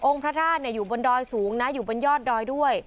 พระธาตุอยู่บนดอยสูงนะอยู่บนยอดดอยด้วย